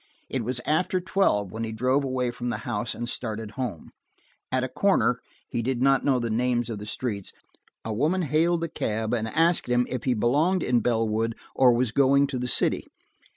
It was after twelve when he drove away from the house and started home. At a corner–he did not know the names of the streets–a woman hailed the cab and asked him if he belonged in Bellwood or was going to the city.